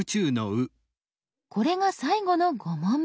これが最後の５問目。